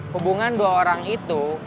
hubungan dua orang itu